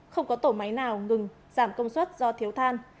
không có tổ máy nào ngừng giảm công suất do thiếu than